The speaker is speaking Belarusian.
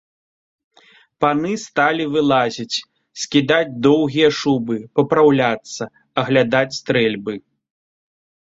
Паны сталі вылазіць, скідаць доўгія шубы, папраўляцца, аглядаць стрэльбы.